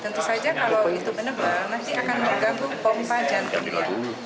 tentu saja kalau itu menebal nanti akan bergabung pompa jantungnya